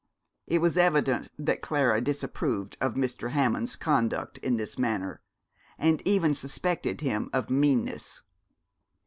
It was evident that Clara disapproved of Mr. Hammond's conduct in this matter, and even suspected him of meanness.